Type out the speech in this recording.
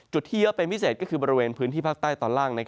ที่เยอะเป็นพิเศษก็คือบริเวณพื้นที่ภาคใต้ตอนล่าง